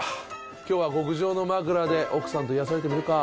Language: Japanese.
今日は極上のまくらで奥さんと癒やされて寝るか。